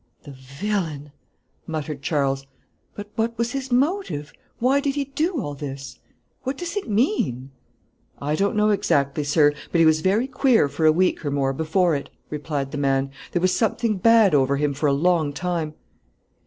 "The villain!" muttered Charles; "but what was his motive? why did he do all this what does it mean?" "I don't know exactly, sir, but he was very queer for a week and more before it," replied the man; "there was something bad over him for a long time."